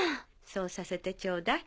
そうさせてちょうだい。